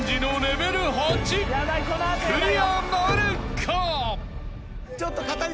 ［クリアなるか！？］